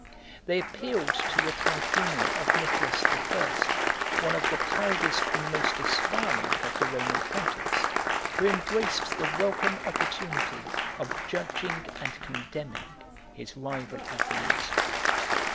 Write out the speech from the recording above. They appealed to the tribunal of Nicholas the First, one of the proudest and most aspiring of the Roman pontiffs, who embraced the welcome opportunity of judging and condemning his rival of the East.